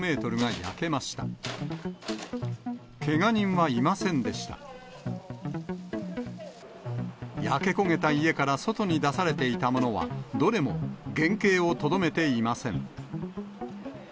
焼け焦げた家から外に出されていたものは、どれも原形をとどめていません。